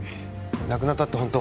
亡くなったって本当？